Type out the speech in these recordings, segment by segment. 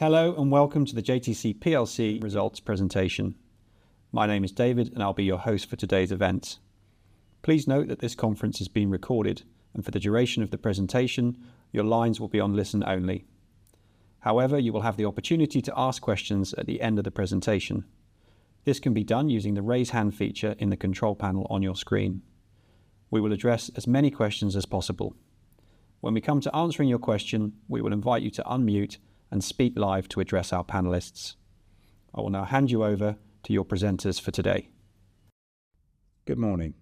Hello and welcome to the JTC PLC Results Presentation. My name is David and I'll be your host for today's event. Please note that this conference has been recorded, and for the duration of the presentation, your lines will be on listen only. However, you will have the opportunity to ask questions at the end of the presentation. This can be done using the raise hand feature in the control panel on your screen. We will address as many questions as possible. When we come to answering your question, we will invite you to unmute and speak live to address our panelists. I will now hand you over to your presenters for today. Good morning.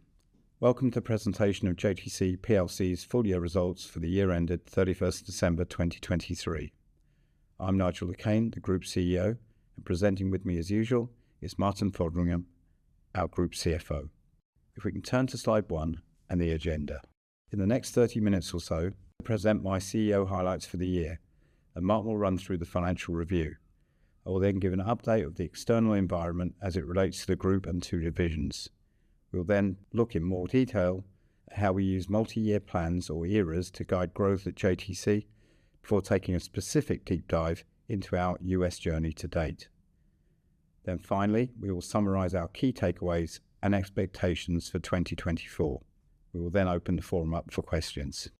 Welcome to the presentation of JTC PLC's Full Year Results for the year ended 31st December 2023. I'm Nigel Le Quesne, the Group CEO, and presenting with me as usual is Martin Fotheringham, our Group CFO. If we can turn to slide one and the agenda. In the next 30 minutes or so, I'll present my CEO highlights for the year, and Martin will run through the financial review. I will then give an update of the external environment as it relates to the Group and to revisions. We'll then look in more detail at how we use multi-year plans or eras to guide growth at JTC before taking a specific deep dive into our U.S. journey to date. Then finally, we will summarize our key takeaways and expectations for 2024. We will then open the forum up for questions.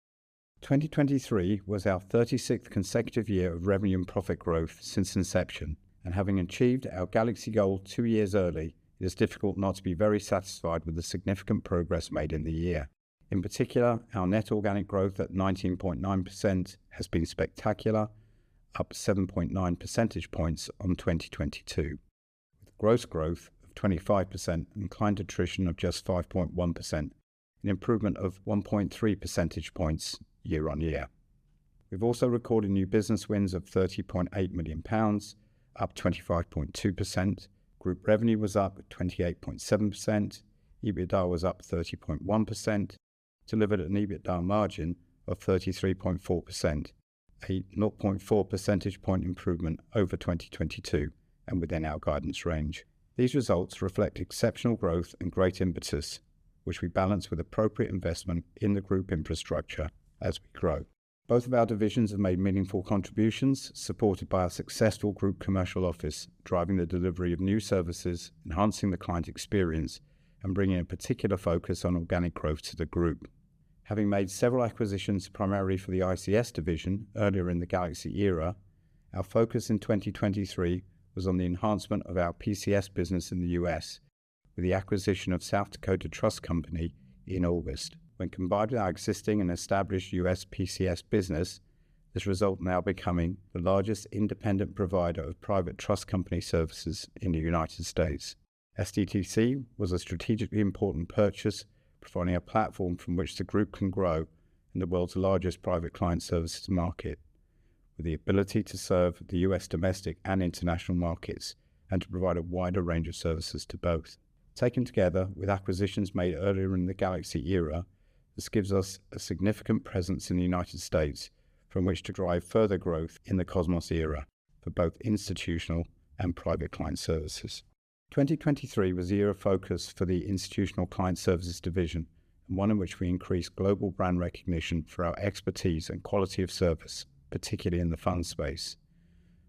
2023 was our 36th consecutive year of revenue and profit growth since inception, and having achieved our Galaxy goal two years early, it is difficult not to be very satisfied with the significant progress made in the year. In particular, our net organic growth at 19.9% has been spectacular, up 7.9 percentage points on 2022, with gross growth of 25% and client attrition of just 5.1%, an improvement of 1.3 percentage points year on year. We've also recorded new business wins of 30.8 million pounds, up 25.2%. Group revenue was up 28.7%. EBITDA was up 30.1%, delivered an EBITDA margin of 33.4%, a 0.4 percentage point improvement over 2022 and within our guidance range. These results reflect exceptional growth and great impetus, which we balance with appropriate investment in the Group infrastructure as we grow. Both of our divisions have made meaningful contributions, supported by a successful Group Commercial Office driving the delivery of new services, enhancing the client experience, and bringing a particular focus on organic growth to the Group. Having made several acquisitions primarily for the ICS division earlier in the Galaxy era, our focus in 2023 was on the enhancement of our PCS business in the U.S., with the acquisition of South Dakota Trust Company in August. When combined with our existing and established U.S. PCS business, this results in our becoming the largest independent provider of private trust company services in the United States. SDTC was a strategically important purchase, providing a platform from which the Group can grow in the world's largest private client services market, with the ability to serve the U.S. domestic and international markets and to provide a wider range of services to both. Taken together with acquisitions made earlier in the Galaxy era, this gives us a significant presence in the United States from which to drive further growth in the Cosmos era for both institutional and private client services. 2023 was a year of focus for the Institutional Client Services division, and one in which we increased global brand recognition for our expertise and quality of service, particularly in the funds space.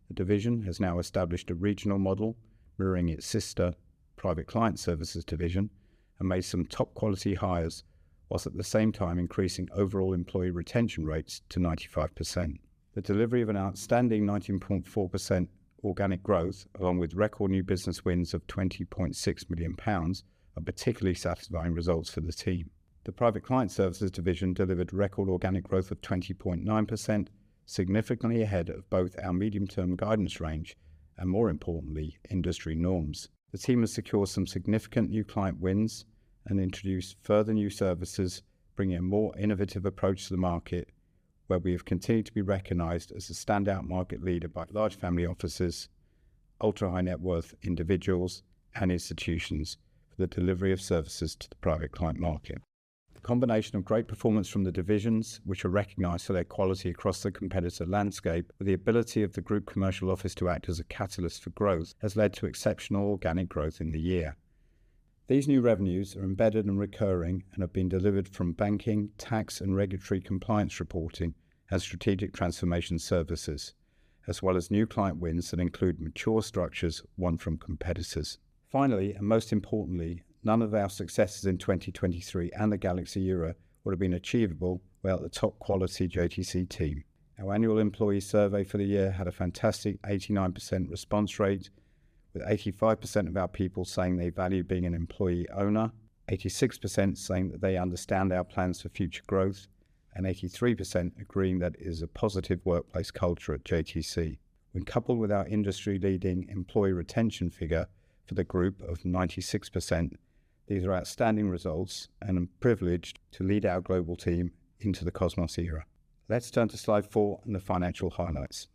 The division has now established a regional model, mirroring its sister Private Client Services division, and made some top-quality hires while at the same time increasing overall employee retention rates to 95%. The delivery of an outstanding 19.4% organic growth, along with record new business wins of 20.6 million pounds, are particularly satisfying results for the team. The Private Client Services division delivered record organic growth of 20.9%, significantly ahead of both our medium-term guidance range and, more importantly, industry norms. The team has secured some significant new client wins and introduced further new services, bringing a more innovative approach to the market, where we have continued to be recognized as a standout market leader by large family offices, ultra-high net worth individuals, and institutions for the delivery of services to the private client market. The combination of great performance from the divisions, which are recognized for their quality across the competitor landscape, with the ability of the Group commercial office to act as a catalyst for growth, has led to exceptional organic growth in the year. These new revenues are embedded and recurring and have been delivered from banking, tax, and regulatory compliance reporting as strategic transformation services, as well as new client wins that include mature structures, one from competitors. Finally, and most importantly, none of our successes in 2023 and the Galaxy era would have been achievable without the top-quality JTC team. Our annual employee survey for the year had a fantastic 89% response rate, with 85% of our people saying they value being an employee owner, 86% saying that they understand our plans for future growth, and 83% agreeing that it is a positive workplace culture at JTC. When coupled with our industry-leading employee retention figure for the Group of 96%, these are outstanding results and I'm privileged to lead our global team into the Cosmos era. Let's turn to slide four and the financial highlights.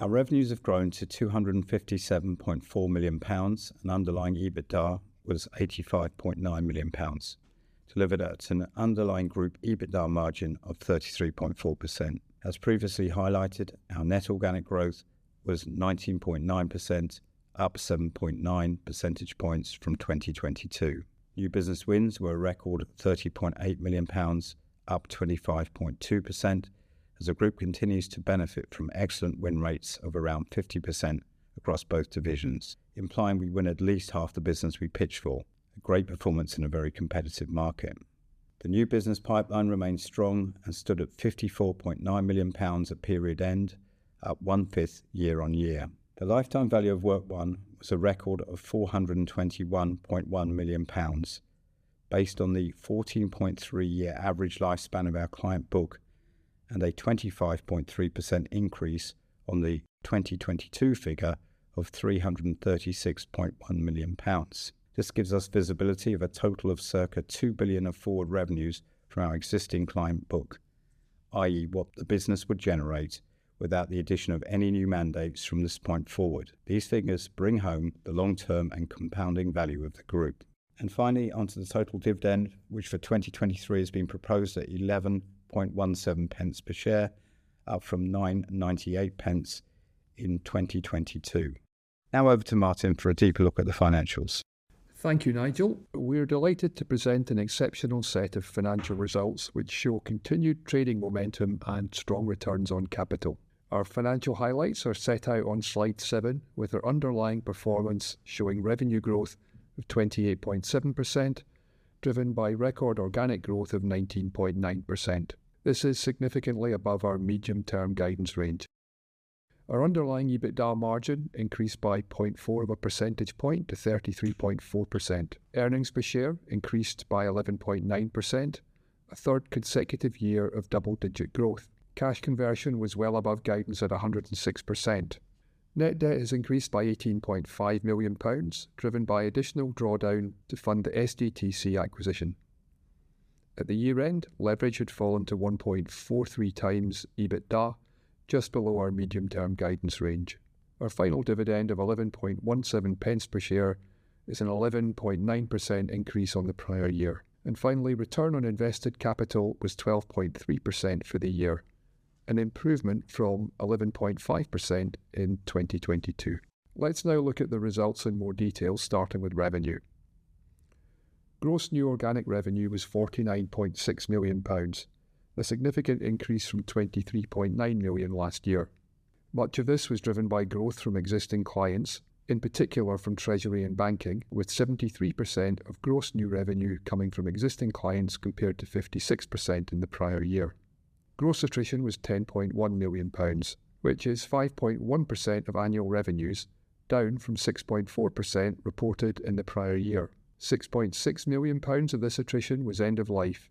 Our revenues have grown to 257.4 million pounds, and underlying EBITDA was 85.9 million pounds, delivered at an underlying Group EBITDA margin of 33.4%. As previously highlighted, our net organic growth was 19.9%, up 7.9 percentage points from 2022. New business wins were a record 30.8 million pounds, up 25.2%, as the Group continues to benefit from excellent win rates of around 50% across both divisions, implying we win at least half the business we pitch for, a great performance in a very competitive market. The new business pipeline remains strong and stood at 54.9 million pounds at period end, up one-fifth year-on-year. The lifetime value of work won was a record of 421.1 million pounds, based on the 14.3-year average lifespan of our client book and a 25.3% increase on the 2022 figure of GBP 336.1 million. This gives us visibility of a total of circa 2 billion of forward revenues from our existing client book, i.e., what the business would generate without the addition of any new mandates from this point forward. These figures bring home the long-term and compounding value of the Group. Finally, onto the total dividend, which for 2023 has been proposed at 11.17 per share, up from 9.98 in 2022. Now over to Martin for a deeper look at the financials. Thank you, Nigel. We are delighted to present an exceptional set of financial results which show continued trading momentum and strong returns on capital. Our financial highlights are set out on slide seven, with our underlying performance showing revenue growth of 28.7%, driven by record organic growth of 19.9%. This is significantly above our medium-term guidance range. Our underlying EBITDA margin increased by 0.4 of a percentage point to 33.4%. Earnings per share increased by 11.9%, a third consecutive year of double-digit growth. Cash conversion was well above guidance at 106%. Net debt has increased by 18.5 million pounds, driven by additional drawdown to fund the SDTC acquisition. At the year end, leverage had fallen to 1.43x EBITDA, just below our medium-term guidance range. Our final dividend of 11.17 per share is an 11.9% increase on the prior year. Finally, return on invested capital was 12.3% for the year, an improvement from 11.5% in 2022. Let's now look at the results in more detail, starting with revenue. Gross new organic revenue was 49.6 million pounds, a significant increase from 23.9 million last year. Much of this was driven by growth from existing clients, in particular from Treasury and banking, with 73% of gross new revenue coming from existing clients compared to 56% in the prior year. Gross attrition was 10.1 million pounds, which is 5.1% of annual revenues, down from 6.4% reported in the prior year. 6.6 million pounds of this attrition was end-of-life,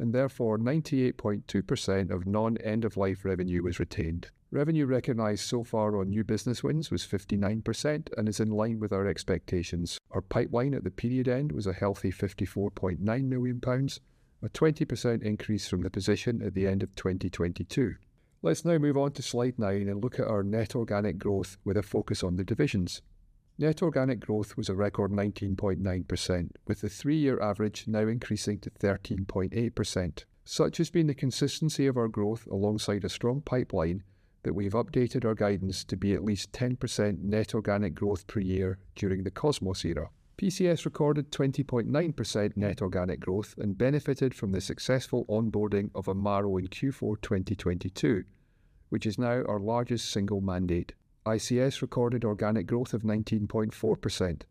and therefore 98.2% of non-end-of-life revenue was retained. Revenue recognised so far on new business wins was 59% and is in line with our expectations. Our pipeline at the period end was a healthy 54.9 million pounds, a 20% increase from the position at the end of 2022. Let's now move on to slide nine and look at our net organic growth with a focus on the divisions. Net organic growth was a record 19.9%, with the three-year average now increasing to 13.8%. Such has been the consistency of our growth alongside a strong pipeline that we have updated our guidance to be at least 10% net organic growth per year during the Cosmos era. PCS recorded 20.9% net organic growth and benefited from the successful onboarding of Amaro in Q4 2022, which is now our largest single mandate. ICS recorded organic growth of 19.4%,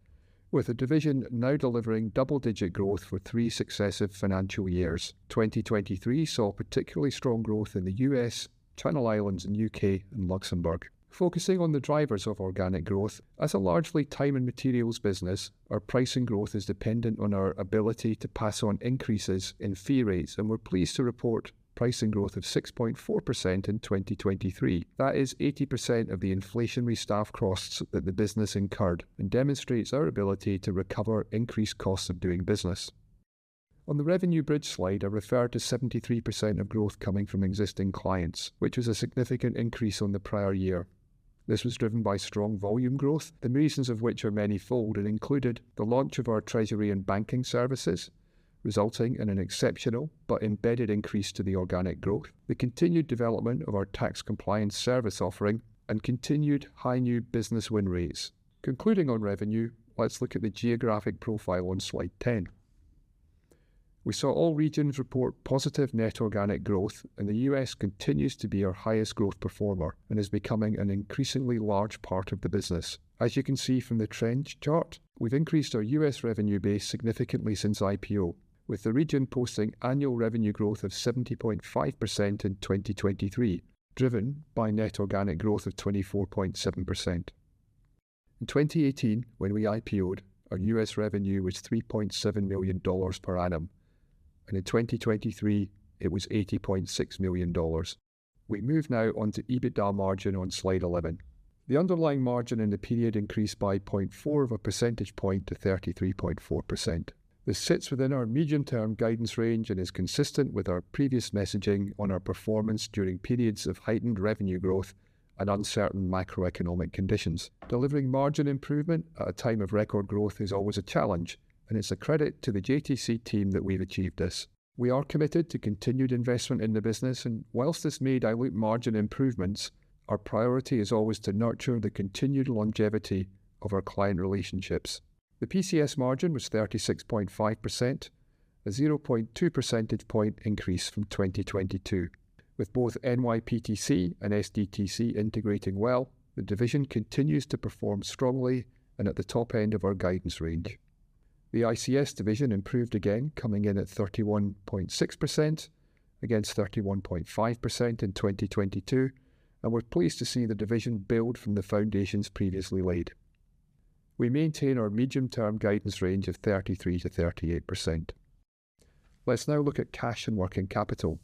with the division now delivering double-digit growth for three successive financial years. 2023 saw particularly strong growth in the U.S., Channel Islands, U.K., and Luxembourg. Focusing on the drivers of organic growth, as a largely time and materials business, our pricing growth is dependent on our ability to pass on increases in fee rates, and we're pleased to report pricing growth of 6.4% in 2023. That is 80% of the inflationary staff costs that the business incurred and demonstrates our ability to recover increased costs of doing business. On the revenue bridge slide, I refer to 73% of growth coming from existing clients, which was a significant increase on the prior year. This was driven by strong volume growth, the reasons of which are many-fold and included the launch of our Treasury and banking services, resulting in an exceptional but embedded increase to the organic growth, the continued development of our tax-compliance service offering, and continued high new business win rates. Concluding on revenue, let's look at the geographic profile on slide 10. We saw all regions report positive net organic growth, and the US continues to be our highest growth performer and is becoming an increasingly large part of the business. As you can see from the trends chart, we've increased our US revenue base significantly since IPO, with the region posting annual revenue growth of 70.5% in 2023, driven by net organic growth of 24.7%. In 2018, when we IPOed, our US revenue was $3.7 million per annum, and in 2023, it was $80.6 million. We move now onto EBITDA margin on slide 11. The underlying margin in the period increased by 0.4 of a percentage point to 33.4%. This sits within our medium-term guidance range and is consistent with our previous messaging on our performance during periods of heightened revenue growth and uncertain macroeconomic conditions. Delivering margin improvement at a time of record growth is always a challenge, and it's a credit to the JTC team that we've achieved this. We are committed to continued investment in the business, and while this may dilute margin improvements, our priority is always to nurture the continued longevity of our client relationships. The PCS margin was 36.5%, a 0.2 percentage point increase from 2022. With both NYPTC and SDTC integrating well, the division continues to perform strongly and at the top end of our guidance range. The ICS division improved again, coming in at 31.6% against 31.5% in 2022, and we're pleased to see the division build from the foundations previously laid. We maintain our medium-term guidance range of 33%-38%. Let's now look at cash and working capital.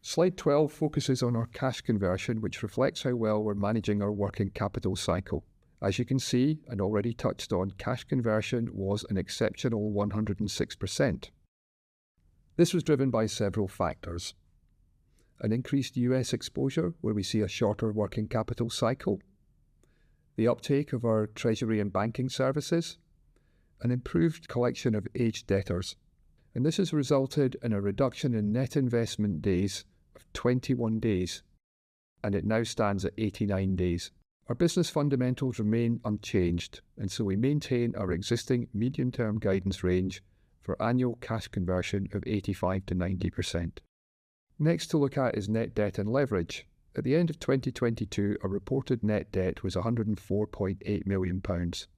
Slide 12 focuses on our cash conversion, which reflects how well we're managing our working capital cycle. As you can see and already touched on, cash conversion was an exceptional 106%. This was driven by several factors: an increased U.S. exposure, where we see a shorter working capital cycle, the uptake of our Treasury and banking services, an improved collection of aged debtors. This has resulted in a reduction in net investment days of 21 days, and it now stands at 89 days. Our business fundamentals remain unchanged, and so we maintain our existing medium-term guidance range for annual cash conversion of 85%-90%. Next to look at is net debt and leverage. At the end of 2022, our reported net debt was 104.8 million pounds,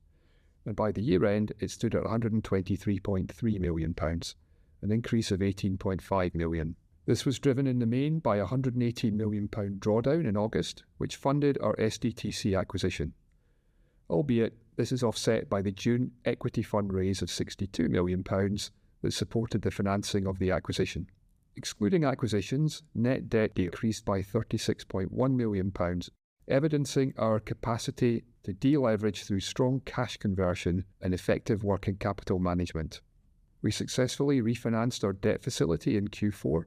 and by the year end, it stood at 123.3 million pounds, an increase of 18.5 million. This was driven in the main by a 180 million pound drawdown in August, which funded our SDTC acquisition. Albeit, this is offset by the June equity fund raise of 62 million pounds that supported the financing of the acquisition. Excluding acquisitions, net debt decreased by 36.1 million pounds, evidencing our capacity to de-leverage through strong cash conversion and effective working capital management. We successfully refinanced our debt facility in Q4,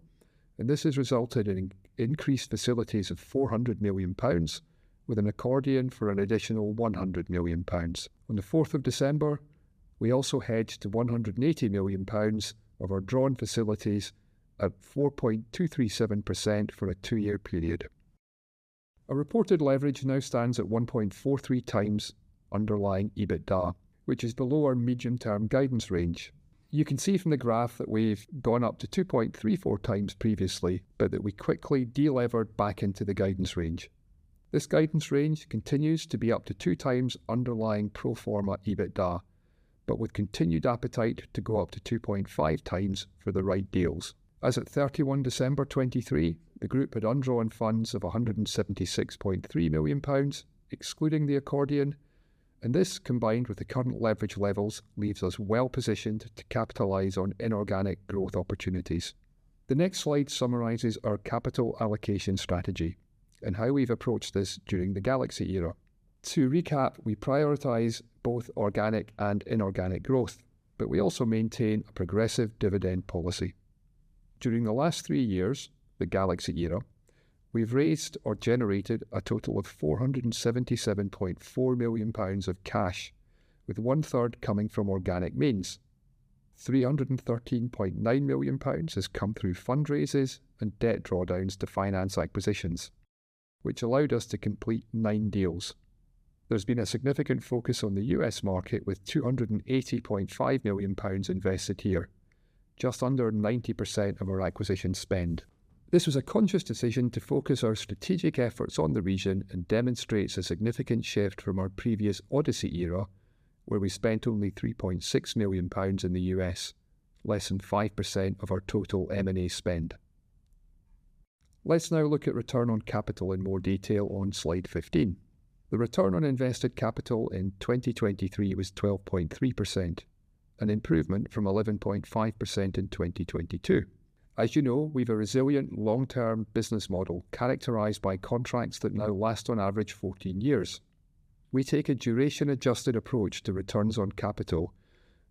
and this has resulted in increased facilities of 400 million pounds, with an accordion for an additional 100 million pounds. On the 4th of December, we also hedged to 180 million pounds of our drawn facilities at 4.237% for a two-year period. Our reported leverage now stands at 1.43x underlying EBITDA, which is below our medium-term guidance range. You can see from the graph that we've gone up to 2.34x previously, but that we quickly de-levered back into the guidance range. This guidance range continues to be up to 2x underlying pro forma EBITDA, but with continued appetite to go up to 2.5x for the right deals. As of 31 December 2023, the Group had undrawn funds of 176.3 million pounds, excluding the accordion, and this combined with the current leverage levels leaves us well positioned to capitalize on inorganic growth opportunities. The next slide summarizes our capital allocation strategy and how we've approached this during the Galaxy era. To recap, we prioritize both organic and inorganic growth, but we also maintain a progressive dividend policy. During the last three years, the Galaxy era, we've raised or generated a total of 477.4 million pounds of cash, with one-third coming from organic means. 313.9 million pounds has come through fundraisers and debt drawdowns to finance acquisitions, which allowed us to complete nine deals. There's been a significant focus on the US market, with 280.5 million pounds invested here, just under 90% of our acquisition spend. This was a conscious decision to focus our strategic efforts on the region and demonstrates a significant shift from our previous Odyssey era, where we spent only 3.6 million pounds in the US, less than 5% of our total M&A spend. Let's now look at return on capital in more detail on slide 15. The return on invested capital in 2023 was 12.3%, an improvement from 11.5% in 2022. As you know, we have a resilient long-term business model characterized by contracts that now last on average 14 years. We take a duration-adjusted approach to returns on capital,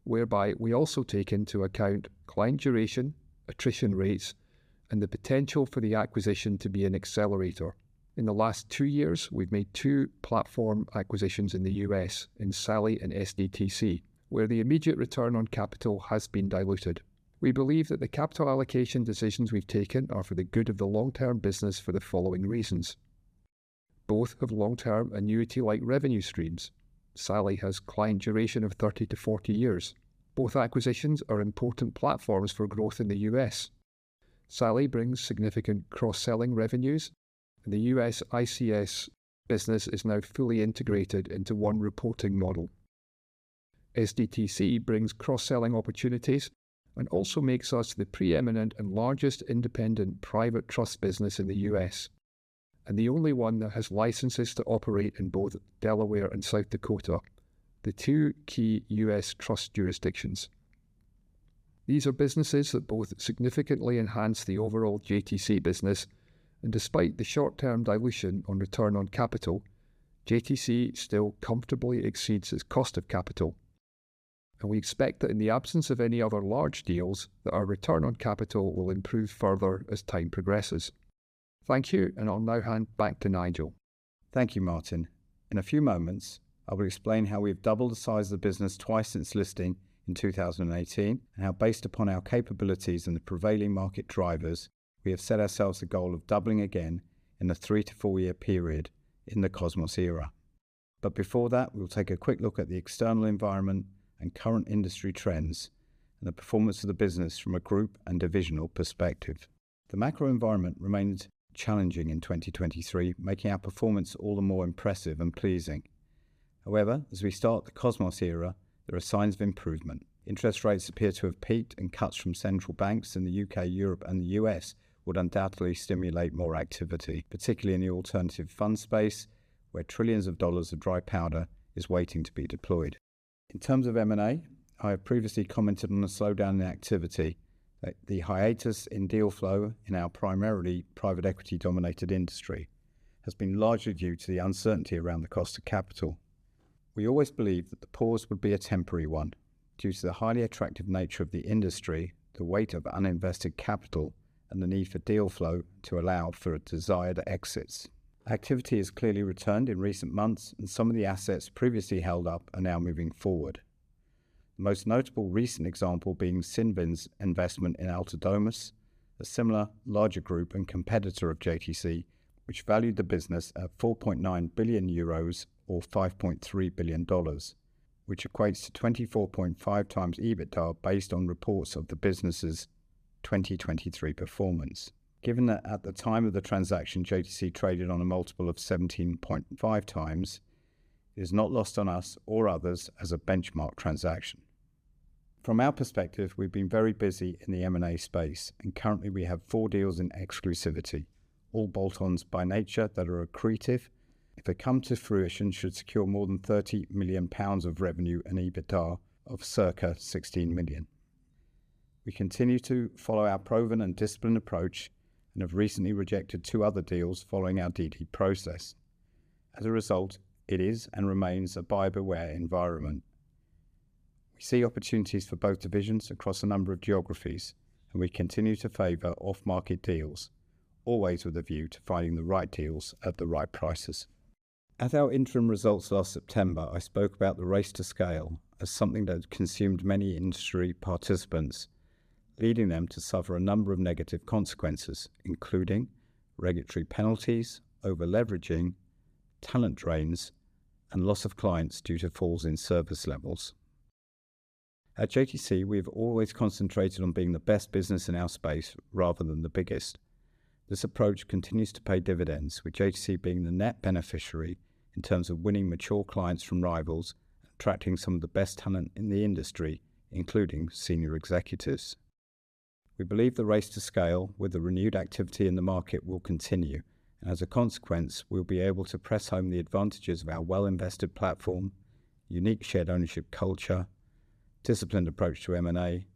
whereby we also take into account client duration, attrition rates, and the potential for the acquisition to be an accelerator. In the last two years, we've made two platform acquisitions in the US, in SALI and SDTC, where the immediate return on capital has been diluted. We believe that the capital allocation decisions we've taken are for the good of the long-term business for the following reasons. Both have long-term annuity-like revenue streams. SALI has client duration of 30-40 years. Both acquisitions are important platforms for growth in the US. SALI brings significant cross-selling revenues, and the US ICS business is now fully integrated into one reporting model. SDTC brings cross-selling opportunities and also makes us the preeminent and largest independent private trust business in the US, and the only one that has licenses to operate in both Delaware and South Dakota, the two key US trust jurisdictions. These are businesses that both significantly enhance the overall JTC business, and despite the short-term dilution on return on capital, JTC still comfortably exceeds its cost of capital. We expect that in the absence of any other large deals, that our return on capital will improve further as time progresses. Thank you, and I'll now hand back to Nigel. Thank you, Martin. In a few moments, I will explain how we've doubled the size of the business twice since listing in 2018, and how based upon our capabilities and the prevailing market drivers, we have set ourselves the goal of doubling again in the 3-4-year period in the Cosmos era. Before that, we'll take a quick look at the external environment and current industry trends, and the performance of the business from a group and divisional perspective. The macro environment remains challenging in 2023, making our performance all the more impressive and pleasing. However, as we start the Cosmos era, there are signs of improvement. Interest rates appear to have peaked, and cuts from central banks in the U.K., Europe, and the U.S. would undoubtedly stimulate more activity, particularly in the alternative fund space, where $ trillions of dry powder is waiting to be deployed. In terms of M&A, I have previously commented on a slowdown in activity. The hiatus in deal flow in our primarily private equity-dominated industry has been largely due to the uncertainty around the cost of capital. We always believe that the pause would be a temporary one, due to the highly attractive nature of the industry, the weight of uninvested capital, and the need for deal flow to allow for desired exits. Activity has clearly returned in recent months, and some of the assets previously held up are now moving forward. The most notable recent example being Cinven's investment in Alter Domus, a similar, larger group and competitor of JTC, which valued the business at 4.9 billion euros or $5.3 billion, which equates to 24.5x EBITDA based on reports of the business's 2023 performance. Given that at the time of the transaction, JTC traded on a multiple of 17.5x, it is not lost on us or others as a benchmark transaction. From our perspective, we've been very busy in the M&A space, and currently we have 4 deals in exclusivity, all bolt-ons by nature that are accretive. If they come to fruition, they should secure more than 30 million pounds of revenue and EBITDA of circa 16 million. We continue to follow our proven and disciplined approach, and have recently rejected two other deals following our DD process. As a result, it is and remains a buyer beware environment. We see opportunities for both divisions across a number of geographies, and we continue to favor off-market deals, always with a view to finding the right deals at the right prices. At our interim results last September, I spoke about the race to scale as something that consumed many industry participants, leading them to suffer a number of negative consequences, including regulatory penalties, over-leveraging, talent drains, and loss of clients due to falls in service levels. At JTC, we have always concentrated on being the best business in our space rather than the biggest. This approach continues to pay dividends, with JTC being the net beneficiary in terms of winning mature clients from rivals and attracting some of the best talent in the industry, including senior executives. We believe the race to scale, with the renewed activity in the market, will continue, and as a consequence, we'll be able to press home the advantages of our well-invested platform, unique shared ownership culture, disciplined approach to M&A,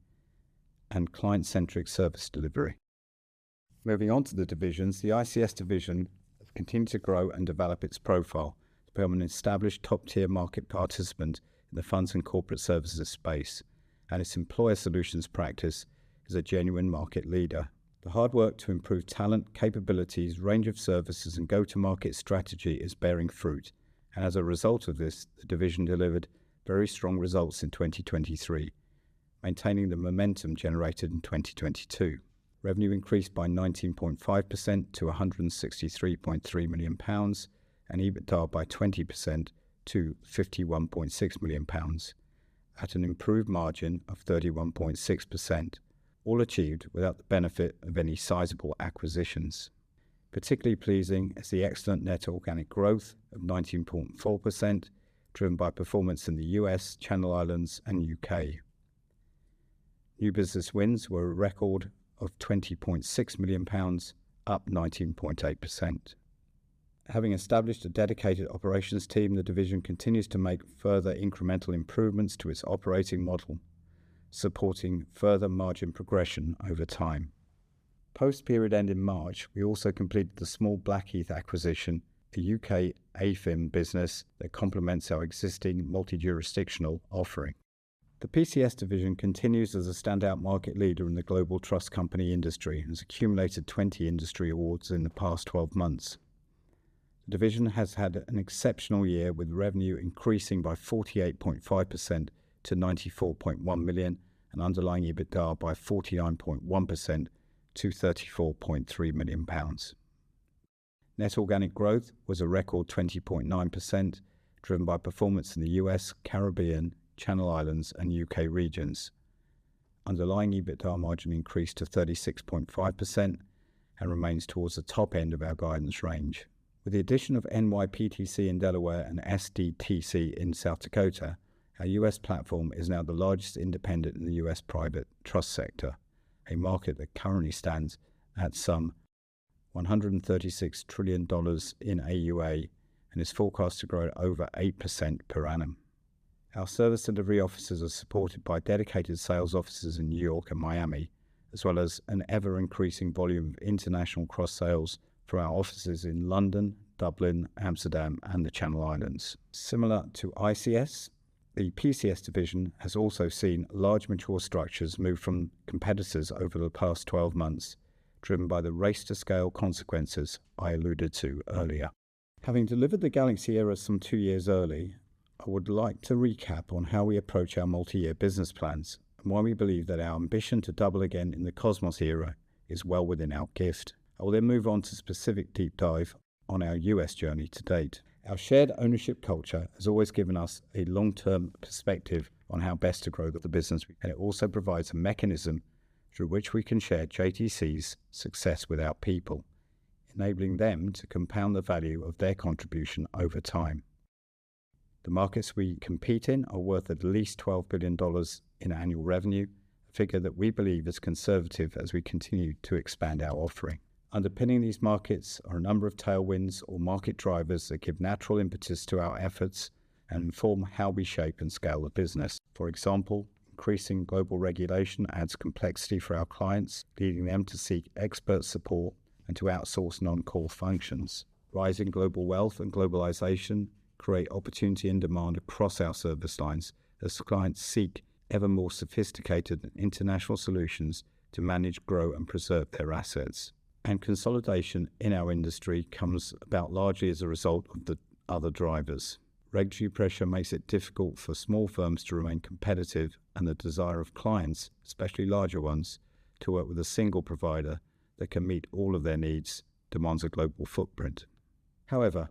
and client-centric service delivery. Moving on to the divisions, the ICS division has continued to grow and develop its profile to become an established top-tier market participant in the funds and corporate services space, and its employer solutions practice is a genuine market leader. The hard work to improve talent, capabilities, range of services, and go-to-market strategy is bearing fruit, and as a result of this, the division delivered very strong results in 2023, maintaining the momentum generated in 2022. Revenue increased by 19.5% to GBP 163.3 million and EBITDA by 20% to GBP 51.6 million, at an improved margin of 31.6%, all achieved without the benefit of any sizable acquisitions. Particularly pleasing is the excellent net organic growth of 19.4%, driven by performance in the U.S., Channel Islands, and U.K. New business wins were a record of 20.6 million pounds, up 19.8%. Having established a dedicated operations team, the division continues to make further incremental improvements to its operating model, supporting further margin progression over time. Post-period end in March, we also completed the small Blackheath acquisition, a U.K. AIFM business that complements our existing multi-jurisdictional offering. The PCS division continues as a standout market leader in the global trust company industry and has accumulated 20 industry awards in the past 12 months. The division has had an exceptional year, with revenue increasing by 48.5% to 94.1 million and underlying EBITDA by 49.1% to 34.3 million pounds. Net organic growth was a record 20.9%, driven by performance in the US, Caribbean, Channel Islands, and UK regions. Underlying EBITDA margin increased to 36.5% and remains towards the top end of our guidance range. With the addition of NYPTC in Delaware and SDTC in South Dakota, our US platform is now the largest independent in the US private trust sector, a market that currently stands at some $136 trillion in AuA and is forecast to grow at over 8% per annum. Our service and delivery offices are supported by dedicated sales offices in New York and Miami, as well as an ever-increasing volume of international cross-sales from our offices in London, Dublin, Amsterdam, and the Channel Islands. Similar to ICS, the PCS division has also seen large mature structures move from competitors over the past 12 months, driven by the race-to-scale consequences I alluded to earlier. Having delivered the Galaxy era some two years early, I would like to recap on how we approach our multi-year business plans and why we believe that our ambition to double again in the Cosmos era is well within our gift. I will then move on to a specific deep dive on our US journey to date. Our shared ownership culture has always given us a long-term perspective on how best to grow the business, and it also provides a mechanism through which we can share JTC's success with our people, enabling them to compound the value of their contribution over time. The markets we compete in are worth at least $12 billion in annual revenue, a figure that we believe is conservative as we continue to expand our offering. Underpinning these markets are a number of tailwinds or market drivers that give natural impetus to our efforts and inform how we shape and scale the business. For example, increasing global regulation adds complexity for our clients, leading them to seek expert support and to outsource non-core functions. Rising global wealth and globalization create opportunity and demand across our service lines as clients seek ever more sophisticated and international solutions to manage, grow, and preserve their assets. Consolidation in our industry comes about largely as a result of the other drivers. Regulatory pressure makes it difficult for small firms to remain competitive, and the desire of clients, especially larger ones, to work with a single provider that can meet all of their needs demands a global footprint. However,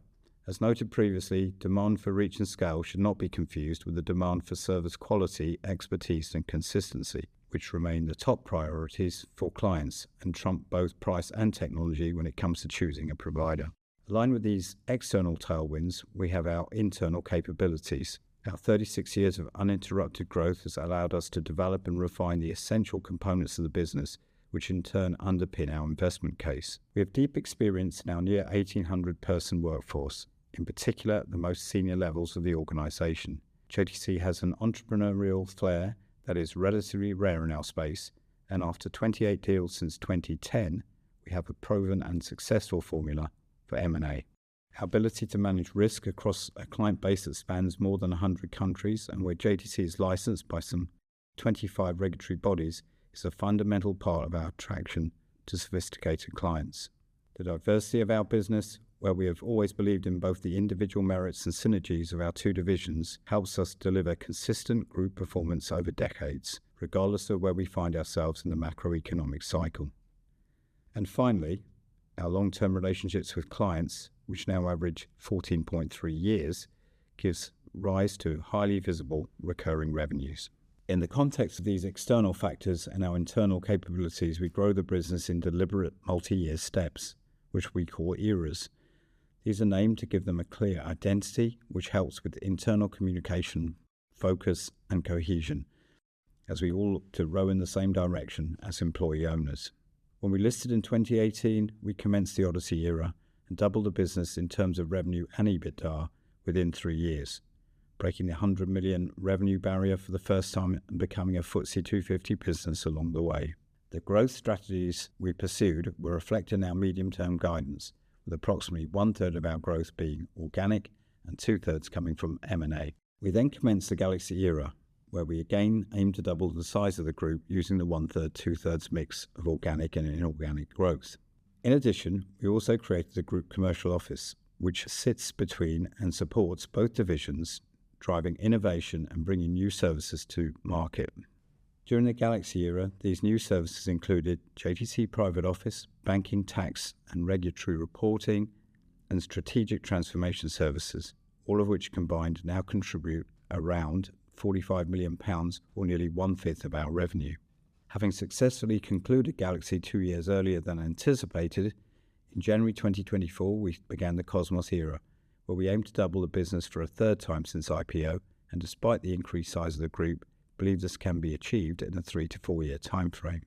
as noted previously, demand for reach and scale should not be confused with the demand for service quality, expertise, and consistency, which remain the top priorities for clients and trump both price and technology when it comes to choosing a provider. Aligned with these external tailwinds, we have our internal capabilities. Our 36 years of uninterrupted growth has allowed us to develop and refine the essential components of the business, which in turn underpin our investment case. We have deep experience in our near 1,800-person workforce, in particular the most senior levels of the organization. JTC has an entrepreneurial flair that is relatively rare in our space, and after 28 deals since 2010, we have a proven and successful formula for M&A. Our ability to manage risk across a client base that spans more than 100 countries and where JTC is licensed by some 25 regulatory bodies is a fundamental part of our attraction to sophisticated clients. The diversity of our business, where we have always believed in both the individual merits and synergies of our two divisions, helps us deliver consistent group performance over decades, regardless of where we find ourselves in the macroeconomic cycle. And finally, our long-term relationships with clients, which now average 14.3 years, give rise to highly visible recurring revenues. In the context of these external factors and our internal capabilities, we grow the business in deliberate multi-year steps, which we call eras. These are named to give them a clear identity, which helps with internal communication, focus, and cohesion, as we all look to grow in the same direction as employee-owners. When we listed in 2018, we commenced the Odyssey era and doubled the business in terms of revenue and EBITDA within three years, breaking the 100 million revenue barrier for the first time and becoming a FTSE 250 business along the way. The growth strategies we pursued were reflected in our medium-term guidance, with approximately one-third of our growth being organic and two-thirds coming from M&A. We then commenced the Galaxy era, where we again aimed to double the size of the group using the one-third-2/3 mix of organic and inorganic growth. In addition, we also created a group commercial office, which sits between and supports both divisions, driving innovation and bringing new services to market. During the Galaxy era, these new services included JTC Private Office, banking tax and regulatory reporting, and strategic transformation services, all of which combined now contribute around 45 million pounds or nearly 1/5 of our revenue. Having successfully concluded Galaxy two years earlier than anticipated, in January 2024, we began the Cosmos era, where we aimed to double the business for a third time since IPO and, despite the increased size of the group, believe this can be achieved in a three to four year timeframe.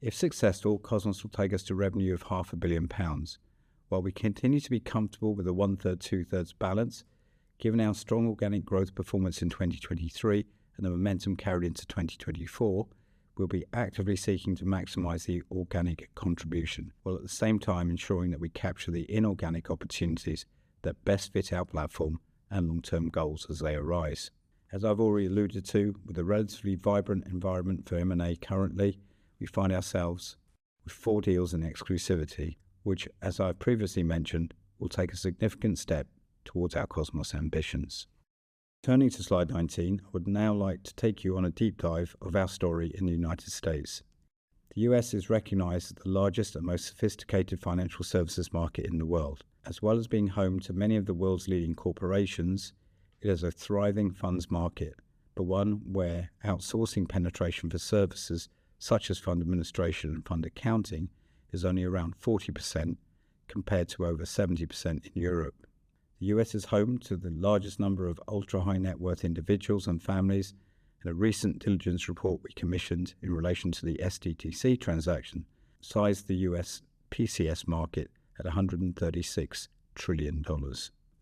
If successful, Cosmos will take us to revenue of 0.5 billion pounds. While we continue to be comfortable with a one-third-two-thirds balance, given our strong organic growth performance in 2023 and the momentum carried into 2024, we'll be actively seeking to maximize the organic contribution, while at the same time ensuring that we capture the inorganic opportunities that best fit our platform and long-term goals as they arise. As I've already alluded to, with a relatively vibrant environment for M&A currently, we find ourselves with four deals in exclusivity, which, as I've previously mentioned, will take a significant step towards our Cosmos ambitions. Turning to slide 19, I would now like to take you on a deep dive of our story in the United States. The U.S. is recognized as the largest and most sophisticated financial services market in the world. As well as being home to many of the world's leading corporations, it is a thriving funds market, but one where outsourcing penetration for services such as fund administration and fund accounting is only around 40% compared to over 70% in Europe. The US is home to the largest number of ultra-high-net-worth individuals and families, and a recent diligence report we commissioned in relation to the SDTC transaction sized the US PCS market at $136 trillion,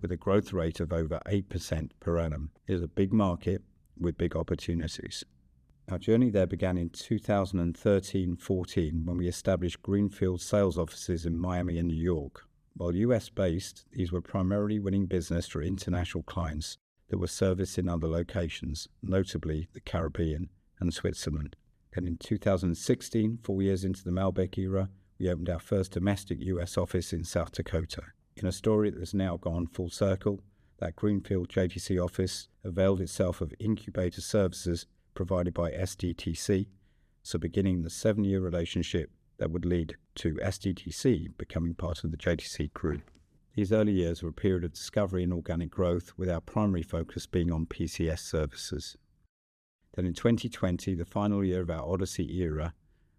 with a growth rate of over 8% per annum. It is a big market with big opportunities. Our journey there began in 2013/2014 when we established greenfield sales offices in Miami and New York. While US-based, these were primarily winning business for international clients that were serviced in other locations, notably the Caribbean and Switzerland. In 2016, four years into the Malbec era, we opened our first domestic US office in South Dakota. In a story that has now gone full circle, that greenfield JTC office availed itself of incubator services provided by SDTC, so beginning the seven-year relationship that would lead to SDTC becoming part of the JTC group. These early years were a period of discovery and organic growth, with our primary focus being on PCS services. Then in 2020, the final year of our Odyssey era,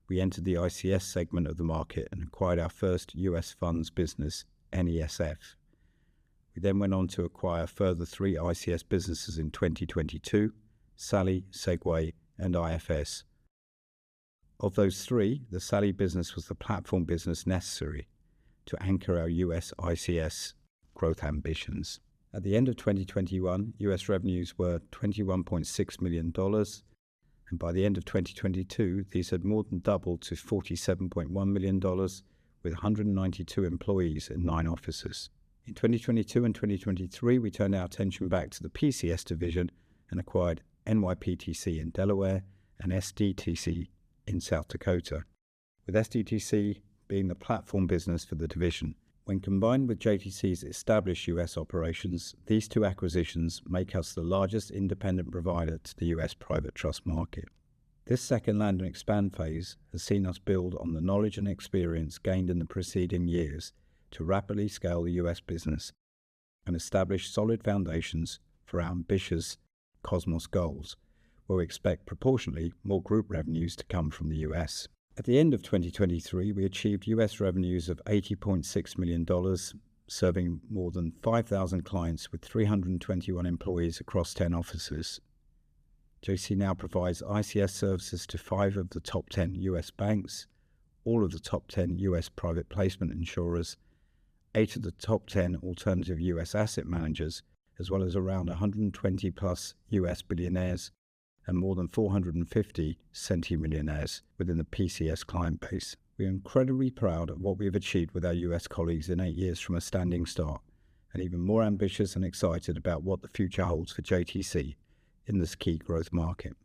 we entered the ICS segment of the market and acquired our first U.S. funds business, NES Financial. We then went on to acquire further three ICS businesses in 2022: SALI, Segway, and EFS. Of those three, the SALI business was the platform business necessary to anchor our U.S. ICS growth ambitions. At the end of 2021, U.S. revenues were $21.6 million, and by the end of 2022, these had more than doubled to $47.1 million, with 192 employees in nine offices. In 2022 and 2023, we turned our attention back to the PCS division and acquired NYPTC in Delaware and SDTC in South Dakota, with SDTC being the platform business for the division. When combined with JTC's established US operations, these two acquisitions make us the largest independent provider to the US private trust market. This second land-and-expand phase has seen us build on the knowledge and experience gained in the preceding years to rapidly scale the US business and establish solid foundations for our ambitious Cosmos goals, where we expect proportionally more group revenues to come from the US. At the end of 2023, we achieved US revenues of $80.6 million, serving more than 5,000 clients with 321 employees across 10 offices. JTC now provides ICS services to five of the top 10 US banks, all of the top 10 US private placement insurers, eight of the top 10 alternative US asset managers, as well as around 120+ US billionaires and more than 450 centi-millionaires within the PCS client base. We are incredibly proud of what we have achieved with our U.S. colleagues in eight years from a standing start and even more ambitious and excited about what the future holds for JTC in this key growth market.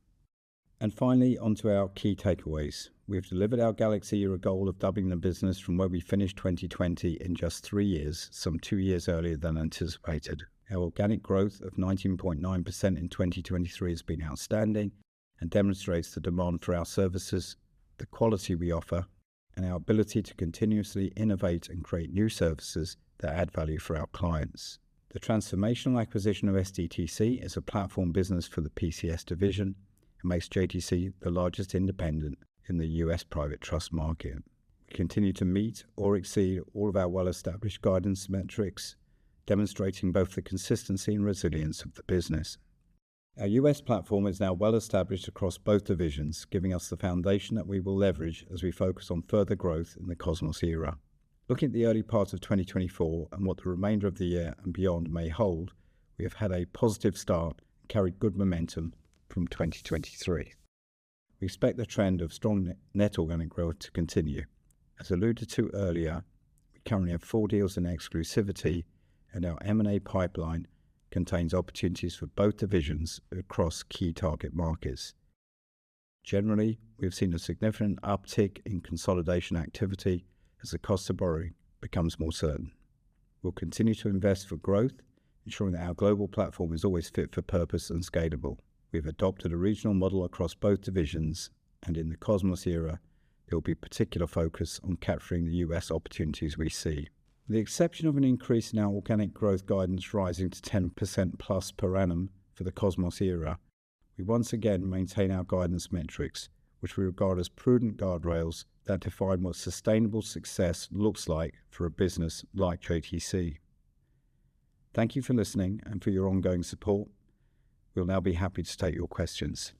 Finally, onto our key takeaways. We have delivered our Galaxy era goal of doubling the business from where we finished 2020 in just three years, some two years earlier than anticipated. Our organic growth of 19.9% in 2023 has been outstanding and demonstrates the demand for our services, the quality we offer, and our ability to continuously innovate and create new services that add value for our clients. The transformational acquisition of SDTC is a platform business for the PCS division and makes JTC the largest independent in the U.S. private trust market. We continue to meet or exceed all of our well-established guidance metrics, demonstrating both the consistency and resilience of the business. Our U.S. platform is now well-established across both divisions, giving us the foundation that we will leverage as we focus on further growth in the Cosmos era. Looking at the early part of 2024 and what the remainder of the year and beyond may hold, we have had a positive start and carried good momentum from 2023. We expect the trend of strong net organic growth to continue. As alluded to earlier, we currently have four deals in exclusivity, and our M&A pipeline contains opportunities for both divisions across key target markets. Generally, we have seen a significant uptick in consolidation activity as the cost of borrowing becomes more certain. We'll continue to invest for growth, ensuring that our global platform is always fit for purpose and scalable. We have adopted a regional model across both divisions, and in the Cosmos era, there will be particular focus on capturing the U.S. opportunities we see. With the exception of an increase in our organic growth guidance rising to 10%+ per annum for the Cosmos era, we once again maintain our guidance metrics, which we regard as prudent guardrails that define what sustainable success looks like for a business like JTC. Thank you for listening and for your ongoing support. We'll now be happy to take your questions.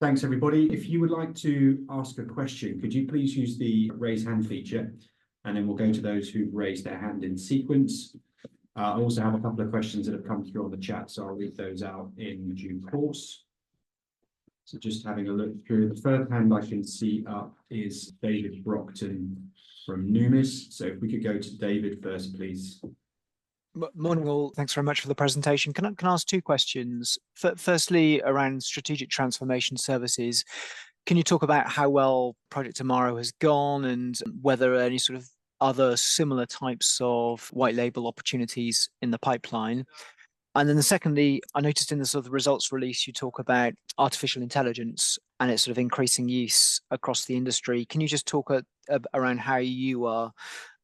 Thanks, everybody. If you would like to ask a question, could you please use the raise hand feature, and then we'll go to those who've raised their hand in sequence. I also have a couple of questions that have come through on the chat, so I'll read those out in due course. So just having a look through. The first hand I can see up is David Brockton from Numis. So if we could go to David first, please. Morning all. Thanks very much for the presentation. Can I ask two questions? Firstly, around strategic transformation services, can you talk about how well Project Tomorrow has gone and whether there are any sort of other similar types of white-label opportunities in the pipeline? Secondly, I noticed in the sort of results release you talk about artificial intelligence and its sort of increasing use across the industry. Can you just talk around how you are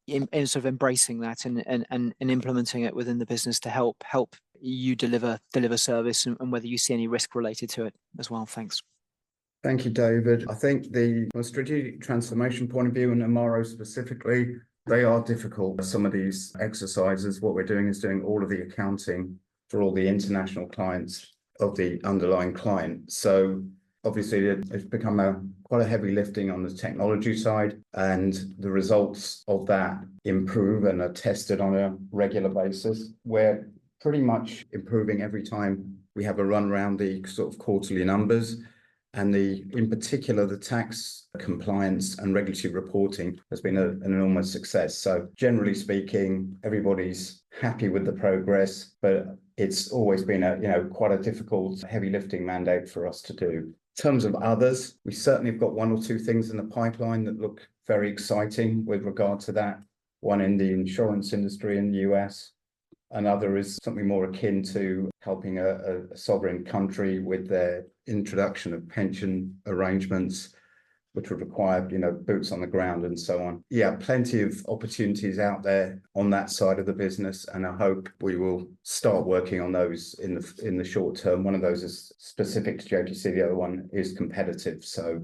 in sort of embracing that and implementing it within the business to help you deliver service and whether you see any risk related to it as well? Thanks. Thank you, David. I think the more strategic transformation point of view and Tomorrow specifically, they are difficult, some of these exercises. What we're doing is doing all of the accounting for all the international clients of the underlying client. So obviously, it's become quite a heavy lifting on the technology side, and the results of that improve and are tested on a regular basis. We're pretty much improving every time we have a run around the sort of quarterly numbers, and in particular, the tax compliance and regulatory reporting has been an enormous success. So generally speaking, everybody's happy with the progress, but it's always been quite a difficult, heavy lifting mandate for us to do. In terms of others, we certainly have got one or two things in the pipeline that look very exciting with regard to that. One in the insurance industry in the U.S. Another is something more akin to helping a sovereign country with their introduction of pension arrangements, which would require boots on the ground and so on. Yeah, plenty of opportunities out there on that side of the business, and I hope we will start working on those in the short term. One of those is specific to JTC. The other one is competitive, so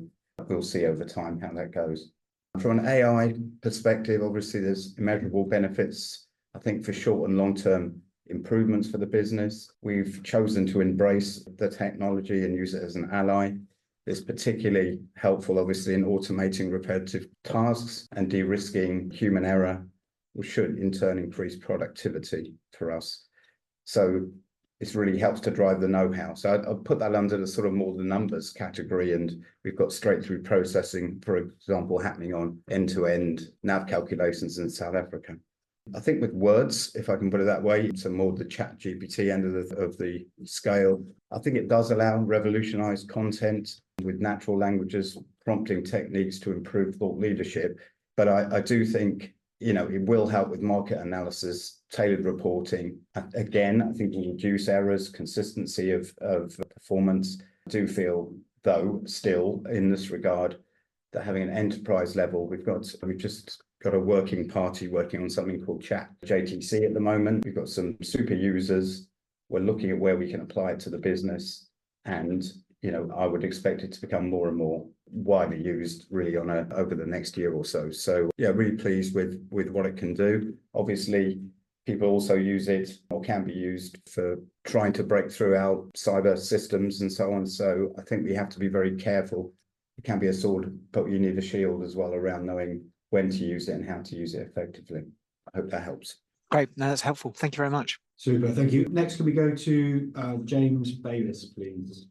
we'll see over time how that goes. From an AI perspective, obviously, there's immeasurable benefits, I think, for short- and long-term improvements for the business. We've chosen to embrace the technology and use it as an ally. It's particularly helpful, obviously, in automating repetitive tasks and de-risking human error, which should in turn increase productivity for us. So it really helps to drive the know-how. So I'll put that under the sort of more the numbers category, and we've got straight-through processing, for example, happening on end-to-end NAV calculations in South Africa. I think with words, if I can put it that way, so more the ChatGPT end of the scale. I think it does allow revolutionized content with natural languages, prompting techniques to improve thought leadership. But I do think it will help with market analysis, tailored reporting. Again, I think it will reduce errors, consistency of performance. I do feel, though, still in this regard, that having an enterprise level, we've just got a working party working on something called ChatJTC at the moment. We've got some super users. We're looking at where we can apply it to the business, and I would expect it to become more and more widely used, really, over the next year or so. So yeah, really pleased with what it can do. Obviously, people also use it or can be used for trying to break through our cyber systems and so on. So I think we have to be very careful. It can be a sword, but you need a shield as well around knowing when to use it and how to use it effectively. I hope that helps. Great. No, that's helpful. Thank you very much. Super. Thank you. Next, can we go to James Bayliss, please?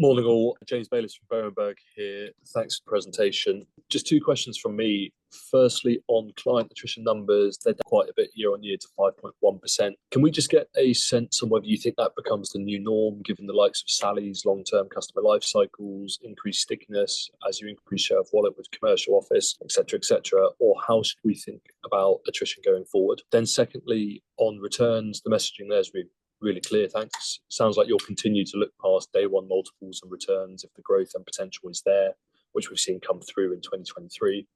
Morning all. James Bayliss from Berenberg here. Thanks for the presentation. Just two questions from me. Firstly, on client attrition numbers, they're down quite a bit year-over-year to 5.1%. Can we just get a sense on whether you think that becomes the new norm, given the likes of SALI's long-term customer lifecycles, increased stickiness as you increase share of wallet with commercial office, etc., etc., or how should we think about attrition going forward? Then secondly, on returns, the messaging there's really clear. Thanks. Sounds like you'll continue to look past day one multiples and returns if the growth and potential is there, which we've seen come through in 2023.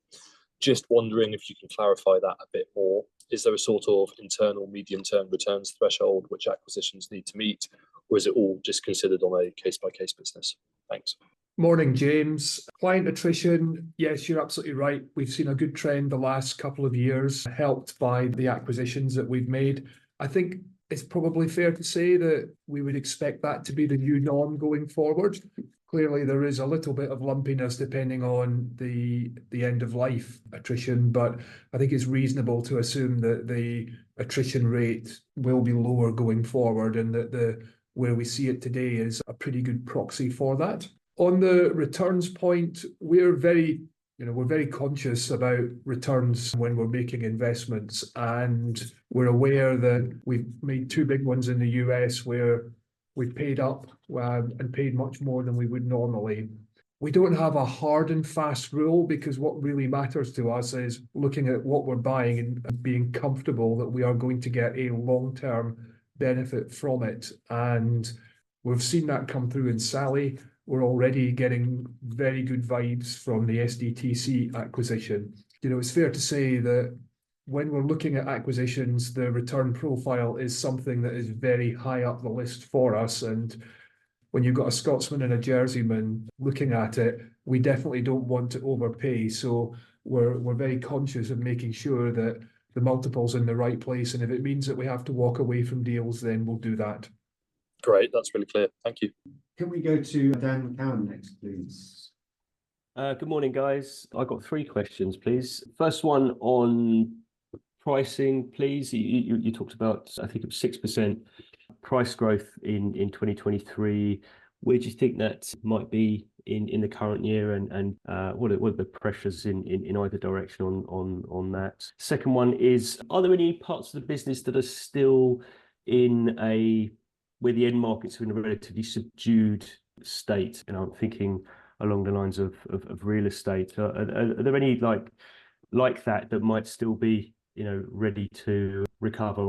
Just wondering if you can clarify that a bit more. Is there a sort of internal medium-term returns threshold which acquisitions need to meet, or is it all just considered on a case-by-case business? Thanks. Morning, James. Client attrition, yes, you're absolutely right. We've seen a good trend the last couple of years, helped by the acquisitions that we've made. I think it's probably fair to say that we would expect that to be the new norm going forward. Clearly, there is a little bit of lumpiness depending on the end-of-life attrition, but I think it's reasonable to assume that the attrition rate will be lower going forward and that where we see it today is a pretty good proxy for that. On the returns point, we're very conscious about returns when we're making investments, and we're aware that we've made two big ones in the U.S. where we've paid up and paid much more than we would normally. We don't have a hard and fast rule because what really matters to us is looking at what we're buying and being comfortable that we are going to get a long-term benefit from it. And we've seen that come through in SALI. We're already getting very good vibes from the SDTC acquisition. It's fair to say that when we're looking at acquisitions, the return profile is something that is very high up the list for us. And when you've got a Scotsman and a Jerseyman looking at it, we definitely don't want to overpay. So we're very conscious of making sure that the multiples are in the right place, and if it means that we have to walk away from deals, then we'll do that. Great. That's really clear. Thank you. Can we go to Dan McCann next, please? Good morning, guys. I've got three questions, please. First one on pricing, please. You talked about, I think, it was 6% price growth in 2023. Where do you think that might be in the current year, and what are the pressures in either direction on that? Second one is, are there any parts of the business that are still where the end markets are in a relatively subdued state? And I'm thinking along the lines of real estate. Are there any like that that might still be ready to recover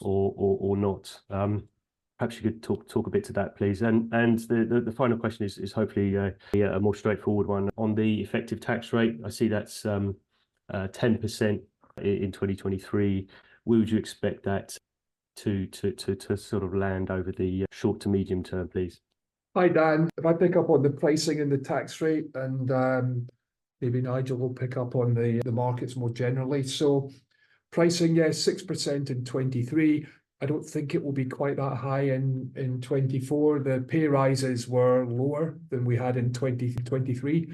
or not? Perhaps you could talk a bit to that, please. The final question is hopefully a more straightforward one. On the effective tax rate, I see that's 10% in 2023. Would you expect that to sort of land over the short to medium term, please? Hi, Dan. If I pick up on the pricing and the tax rate, and maybe Nigel will pick up on the markets more generally. So pricing, yes, 6% in 2023. I don't think it will be quite that high in 2024. The pay rises were lower than we had in 2023.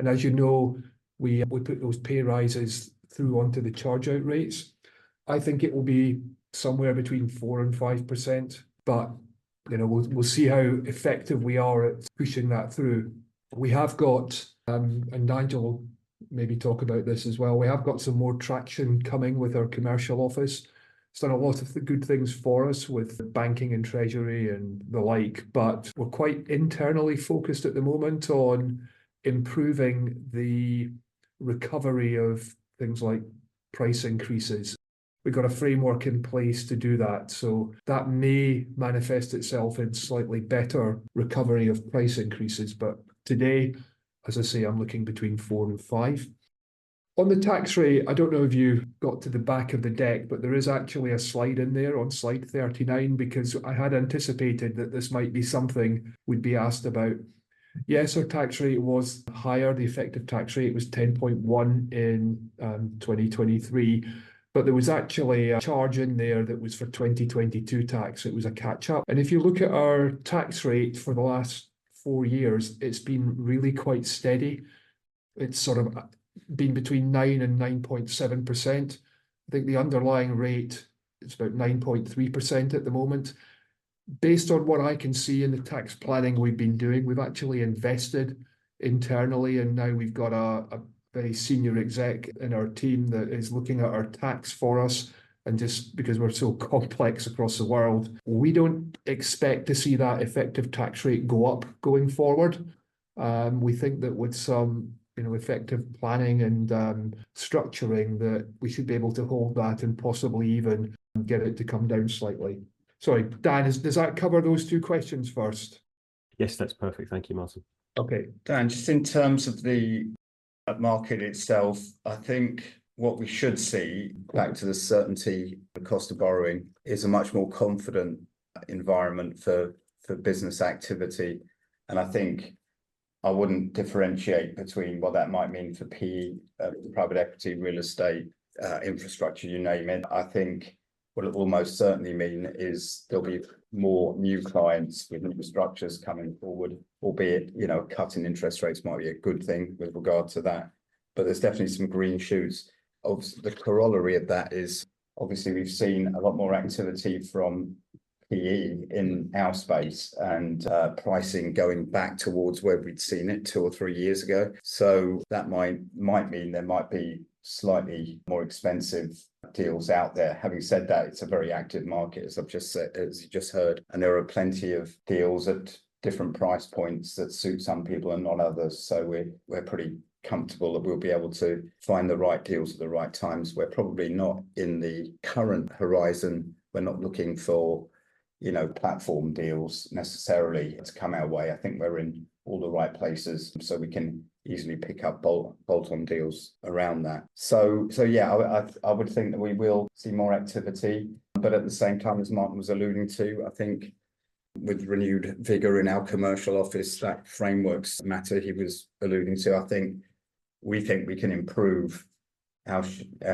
And as you know, we put those pay rises through onto the chargeout rates. I think it will be somewhere between 4%-5%, but we'll see how effective we are at pushing that through. We have got, and Nigel will maybe talk about this as well, we have got some more traction coming with our commercial office. It's done a lot of good things for us with banking and treasury and the like, but we're quite internally focused at the moment on improving the recovery of things like price increases. We've got a framework in place to do that, so that may manifest itself in slightly better recovery of price increases. But today, as I say, I'm looking between 4%-5%. On the tax rate, I don't know if you got to the back of the deck, but there is actually a slide in there on slide 39 because I had anticipated that this might be something we'd be asked about. Yes, our tax rate was higher. The effective tax rate was 10.1% in 2023, but there was actually a charge in there that was for 2022 tax. It was a catch-up. And if you look at our tax rate for the last four years, it's been really quite steady. It's sort of been between 9%-9.7%. I think the underlying rate is about 9.3% at the moment. Based on what I can see in the tax planning we've been doing, we've actually invested internally, and now we've got a very senior exec in our team that is looking at our tax for us. And just because we're so complex across the world, we don't expect to see that effective tax rate go up going forward. We think that with some effective planning and structuring, that we should be able to hold that and possibly even get it to come down slightly. Sorry, Dan, does that cover those two questions first? Yes, that's perfect. Thank you, Martin. Okay, Dan, just in terms of the market itself, I think what we should see, back to the certainty and the cost of borrowing, is a much more confident environment for business activity. I think I wouldn't differentiate between what that might mean for PE, private equity, real estate, infrastructure, you name it. I think what it will most certainly mean is there'll be more new clients with new structures coming forward, albeit cutting interest rates might be a good thing with regard to that. But there's definitely some green shoots. The corollary of that is, obviously, we've seen a lot more activity from PE in our space and pricing going back towards where we'd seen it two or three years ago. That might mean there might be slightly more expensive deals out there. Having said that, it's a very active market, as you just heard, and there are plenty of deals at different price points that suit some people and not others. So we're pretty comfortable that we'll be able to find the right deals at the right times. We're probably not in the current horizon. We're not looking for platform deals necessarily to come our way. I think we're in all the right places so we can easily pick up bolt-on deals around that. So yeah, I would think that we will see more activity. But at the same time, as Martin was alluding to, I think with renewed vigor in our commercial office, that frameworks matter he was alluding to. I think we think we can improve our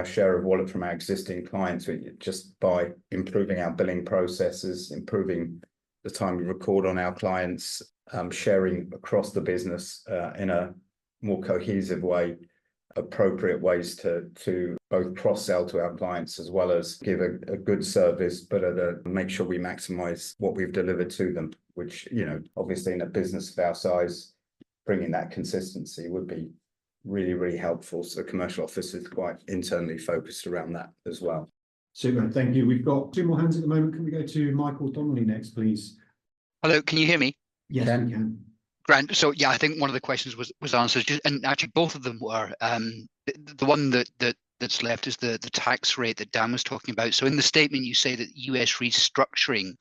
share of wallet from our existing clients just by improving our billing processes, improving the time we record on our clients, sharing across the business in a more cohesive way, appropriate ways to both cross-sell to our clients as well as give a good service, but to make sure we maximize what we've delivered to them, which obviously in a business of our size, bringing that consistency would be really, really helpful. So the commercial office is quite internally focused around that as well. Super. Thank you. We've got two more hands at the moment. Can we go to Michael Donnelly next, please? Hello. Can you hear me? Yes, you can. Great. So yeah, I think one of the questions was answered, and actually both of them were. The one that's left is the tax rate that Dan was talking about. So in the statement, you say that U.S. restructuring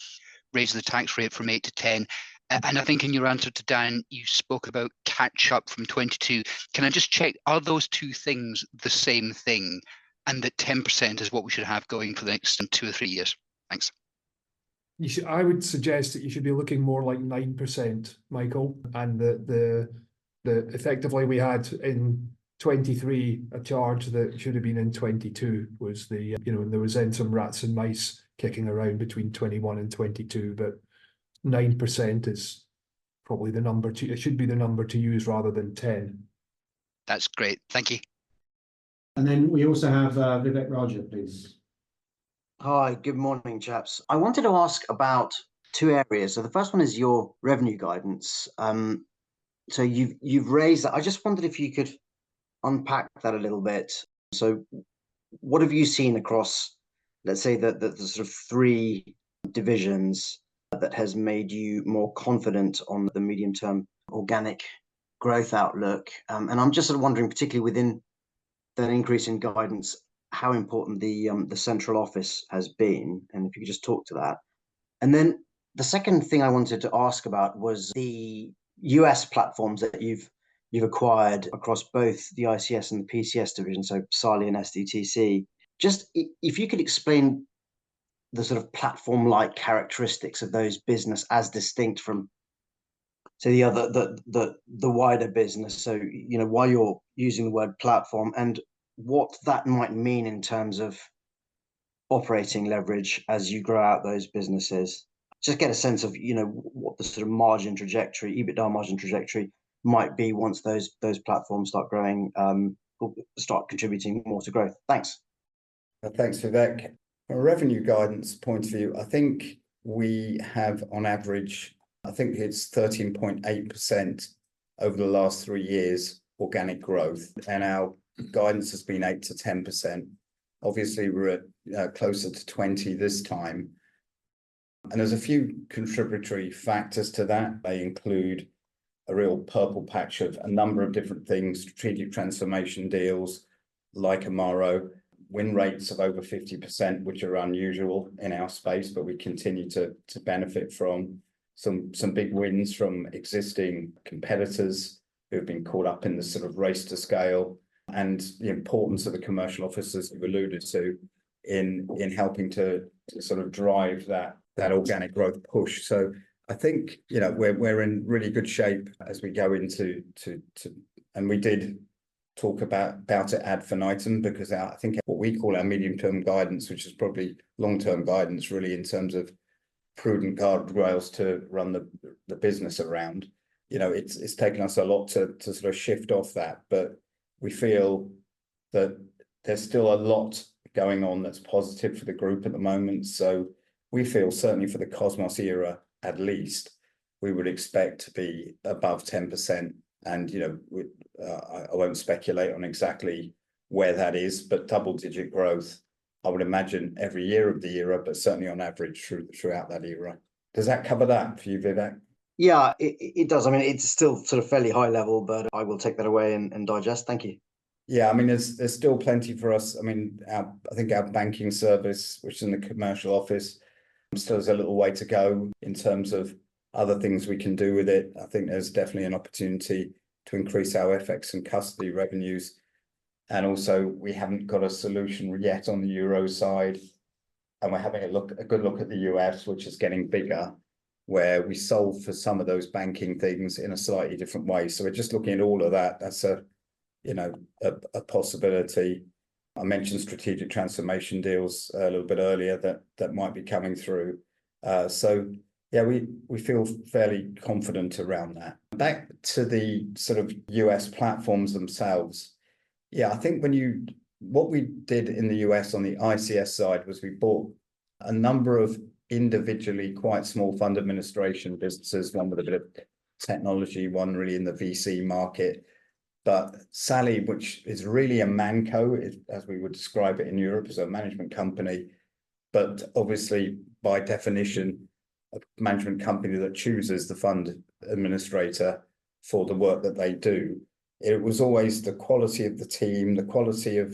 raises the tax rate from 8%-10%. And I think in your answer to Dan, you spoke about catch-up from 2022. Can I just check, are those two things the same thing, and that 10% is what we should have going for the next two or three years? Thanks. I would suggest that you should be looking more like 9%, Michael. And effectively, we had in 2023 a charge that should have been in 2022, and there was then some rats and mice kicking around between 2021 and 2022. But 9% is probably the number to it should be the number to use rather than 10%. That's great. Thank you. We also have Vivek Raja, please. Hi. Good morning, chaps. I wanted to ask about two areas. The first one is your revenue guidance. You've raised that. I just wondered if you could unpack that a little bit. What have you seen across, let's say, the sort of three divisions that has made you more confident on the medium-term organic growth outlook? I'm just sort of wondering, particularly within that increase in guidance, how important the central office has been, and if you could just talk to that. The second thing I wanted to ask about was the US platforms that you've acquired across both the ICS and the PCS division, so SALI and SDTC. Just, if you could explain the sort of platform-like characteristics of those businesses as distinct from, say, the wider business. Why you're using the word platform and what that might mean in terms of operating leverage as you grow out those businesses? Just get a sense of what the sort of margin trajectory, EBITDA margin trajectory might be once those platforms start growing, start contributing more to growth. Thanks. Thanks, Vivek. From a revenue guidance point of view, I think we have, on average, I think it's 13.8% over the last three years organic growth, and our guidance has been 8%-10%. Obviously, we're closer to 20% this time. And there's a few contributory factors to that. They include a real purple patch of a number of different things, strategic transformation deals like Amaro, win rates of over 50%, which are unusual in our space, but we continue to benefit from some big wins from existing competitors who have been caught up in the sort of race to scale and the importance of the Commercial Office as you've alluded to in helping to sort of drive that organic growth push. So I think we're in really good shape as we go into, and we did talk about it ad infinitum because I think what we call our medium-term guidance, which is probably long-term guidance really in terms of prudent guardrails to run the business around, it's taken us a lot to sort of shift off that. But we feel that there's still a lot going on that's positive for the group at the moment. So we feel, certainly for the Cosmos era, at least, we would expect to be above 10%. And I won't speculate on exactly where that is, but double-digit growth, I would imagine, every year of the era, but certainly on average throughout that era. Does that cover that for you, Vivek? Yeah, it does. I mean, it's still sort of fairly high level, but I will take that away and digest. Thank you. Yeah. I mean, there's still plenty for us. I mean, I think our banking service, which is in the commercial office, still has a little way to go in terms of other things we can do with it. I think there's definitely an opportunity to increase our FX and custody revenues. And also, we haven't got a solution yet on the Euro side. And we're having a good look at the U.S., which is getting bigger, where we sold for some of those banking things in a slightly different way. So we're just looking at all of that. That's a possibility. I mentioned strategic transformation deals a little bit earlier that might be coming through. So yeah, we feel fairly confident around that. Back to the sort of U.S. platforms themselves. Yeah, I think what we did in the U.S. on the ICS side was we bought a number of individually quite small fund administration businesses, one with a bit of technology, one really in the VC market. But SALI, which is really a manco, as we would describe it in Europe, is a management company. But obviously, by definition, a management company that chooses the fund administrator for the work that they do. It was always the quality of the team, the quality of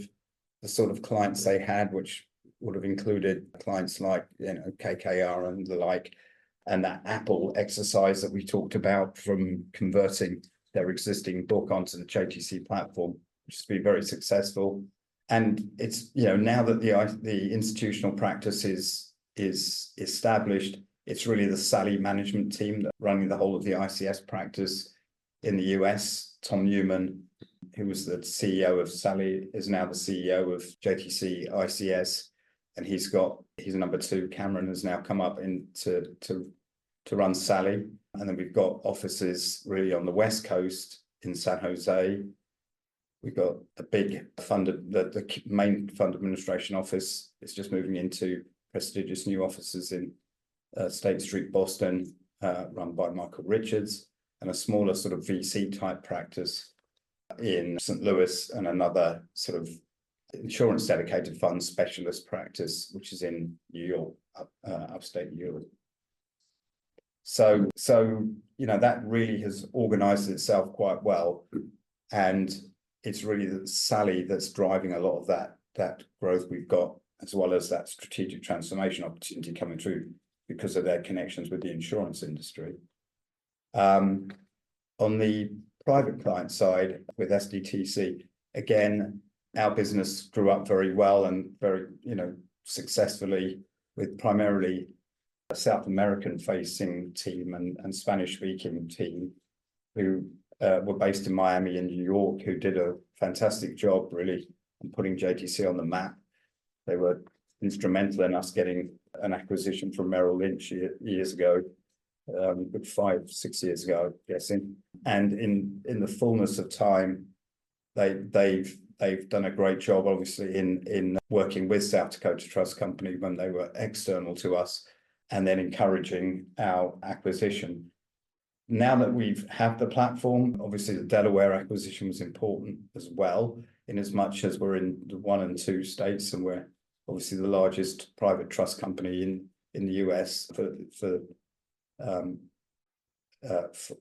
the sort of clients they had, which would have included clients like KKR and the like, and that Apollo exercise that we talked about from converting their existing book onto the JTC platform, which has been very successful. And now that the institutional practice is established, it's really the SALI management team running the whole of the ICS practice in the US. Tom Newman, who was the CEO of SALI, is now the CEO of JTC ICS. And he's number two. Cameron has now come up to run SALI. And then we've got offices really on the West Coast in San Jose. We've got a big fund, the main fund administration office. It's just moving into prestigious new offices in State Street, Boston, run by Michael Richards, and a smaller sort of VC-type practice in St. Louis and another sort of insurance dedicated fund specialist practice, which is in New York, upstate New York. So that really has organized itself quite well. And it's really SALI that's driving a lot of that growth we've got, as well as that strategic transformation opportunity coming through because of their connections with the insurance industry. On the private client side with SDTC, again, our business grew up very well and very successfully with primarily a South American-facing team and Spanish-speaking team who were based in Miami and New York, who did a fantastic job, really, in putting JTC on the map. They were instrumental in us getting an acquisition from Merrill Lynch years ago, five, six years ago, I'm guessing. In the fullness of time, they've done a great job, obviously, in working with South Dakota Trust Company when they were external to us and then encouraging our acquisition. Now that we've had the platform, obviously, the Delaware acquisition was important as well in as much as we're in the one and two states and we're obviously the largest private trust company in the U.S.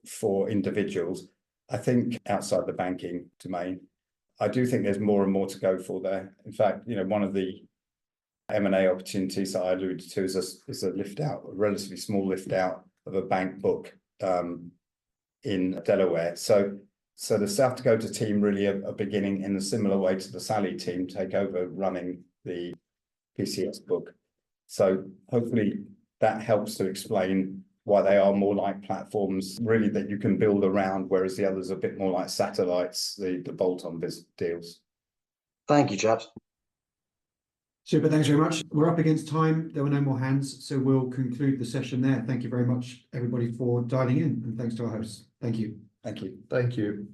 for individuals. I think. Outside the banking domain. I do think there's more and more to go for there. In fact, one of the M&A opportunities that I alluded to is a liftout, a relatively small liftout of a bank book in Delaware. So the South Dakota team, really, are beginning in a similar way to the SALI team, take over running the PCS book. So hopefully, that helps to explain why they are more like platforms, really, that you can build around, whereas the others are a bit more like satellites, the bolt-on deals. Thank you, chaps. Super. Thanks very much. We're up against time. There were no more hands, so we'll conclude the session there. Thank you very much, everybody, for dialing in, and thanks to our hosts. Thank you. Thank you. Thank you.